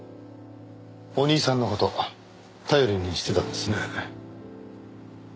お兄さんの事頼りにしてたんですね。